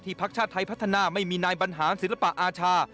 พักชาติไทยพัฒนาไม่มีนายบรรหารศิลปะอาชา